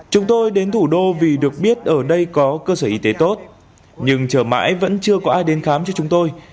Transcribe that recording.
chúng tôi đến thủ đô vì được biết ở đây có cơ sở y tế tốt nhưng trở mãi vẫn chưa có ai đến khám cho chúng tôi